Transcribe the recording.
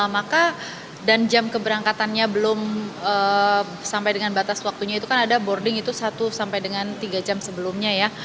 maka dan jam keberangkatannya belum sampai dengan batas waktunya itu kan ada boarding itu satu sampai dengan tiga jam sebelumnya ya